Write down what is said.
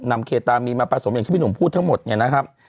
เคตามีนมาผสมอย่างที่พี่หนุ่มพูดทั้งหมดเนี่ยนะครับ